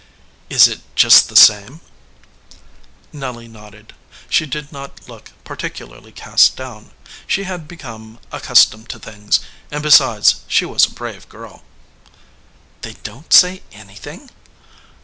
"Is it just the same?" Nelly nodded. She did not look particularly cast down. She had become accustomed to things, and, besides, she was a brave girl. "They don t say anything?"